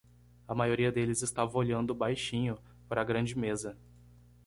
A maioria deles estava olhando baixinho para a grande mesa.